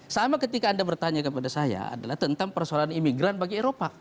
sama ketika anda bertanya kepada saya adalah tentang persoalan imigran bagi eropa